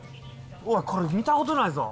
うわ、これ、見たことないぞ。